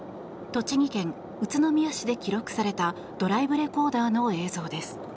栃木県宇都宮市で記録されたドライブレコーダーの映像です。